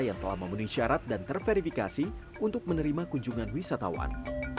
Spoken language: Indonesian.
yang telah memenuhi syarat dan terverifikasi untuk menerima kunjungan wisatawan